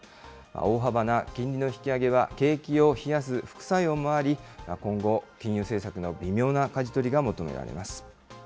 大幅な金利の引き上げは、景気を冷やす副作用もあり、今後、金融政策の微妙なかじ取りが求められます。